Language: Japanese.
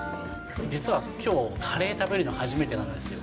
実はきょう、カレー食べるの初めてなんですよ。